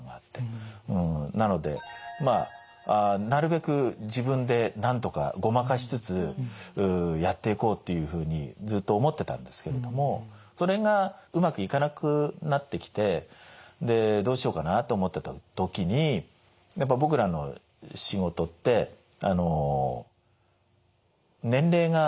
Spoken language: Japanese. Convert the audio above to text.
なのでまあなるべく自分でなんとかごまかしつつやっていこうっていうふうにずっと思ってたんですけれどもそれがうまくいかなくなってきてでどうしようかなって思ってた時にやっぱ僕らの仕事って年齢が結構幅広いんですよね。